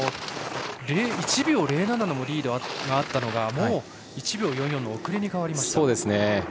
１秒０７リードがあったのがもう１秒４４の遅れに変わりました。